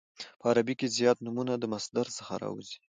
په عربي کښي زیات نومونه د مصدر څخه راوځي.